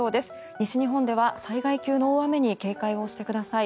西日本では災害級の大雨に警戒してください。